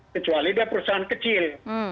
kecuali dari perusahaan kecil